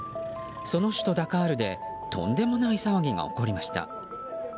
その首都ダカールでとんでもない騒ぎが起こりました。